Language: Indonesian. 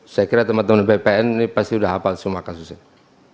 saya kira teman teman bpn ini pasti sudah hafal semua kasus ini